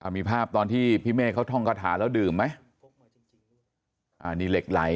มีภาพตอนที่พี่เมฆเขาท่องคาถาแล้วดื่มไหมอ่านี่เหล็กไหล